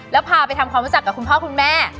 แล้วพาไปทำความรู้จักกับคุณพ่อคุณแม่